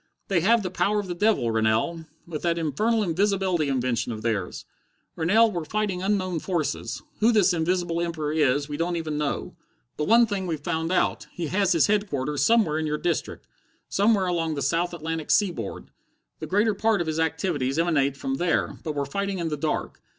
They have the power of the devil, Rennell, with that infernal invisibility invention of theirs. Rennell, we're fighting unknown forces. Who this Invisible Emperor is, we don't even know. But one thing we've found out. He has his headquarters somewhere in your district. Somewhere along the south Atlantic seaboard. The greater part of his activities emanate from there. But we're fighting in the dark.